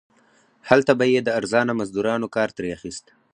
هلته به یې د ارزانه مزدورانو کار ترې اخیست.